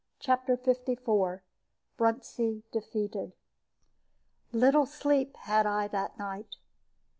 CHAPTER LIV BRUNTSEA DEFEATED Little sleep had I that night.